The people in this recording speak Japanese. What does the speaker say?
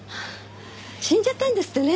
死んじゃったんですってね。